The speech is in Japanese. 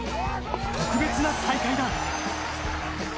特別な大会だ。